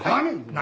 何？